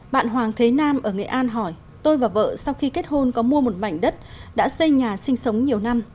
bạn hoàng thế nam ở nghệ an hỏi tôi và vợ sau khi kết hôn có mua một mảnh đất đã xây nhà sinh sống nhiều năm